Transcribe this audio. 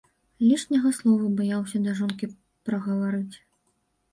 Лішняга слова баяўся да жонкі прагаварыць.